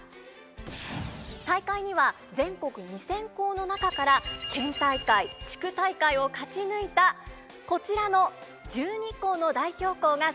大会には全国２，０００校の中から県大会地区大会を勝ち抜いたこちらの１２校の代表校が参加しました。